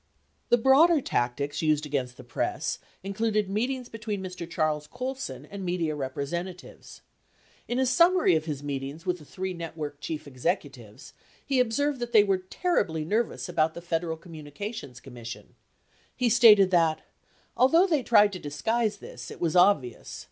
68 The broader tactics used against the press included meetings be tween Mr. Charles Colson and media representatives . 60 In a summaiy of his meetings with the three networks chief executives, he observed that they were terribly nervous about the Federal Communications Commission. He stated that, "although they tried to disguise this, it was obvious.